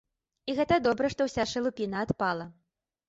І гэта добра, што ўся шалупіна адпала.